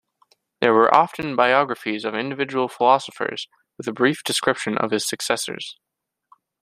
There were often biographies of individual philosophers with a brief description of his successors.